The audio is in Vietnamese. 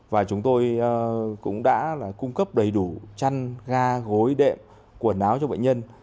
và chúng tôi cũng đã cung cấp đầy đủ chăn ga gối đệm quần áo cho bệnh nhân